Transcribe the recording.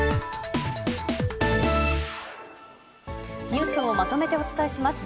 ニュースをまとめてお伝えします。